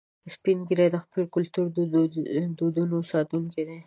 سپین ږیری د خپلو کلتوري دودونو ساتونکي دي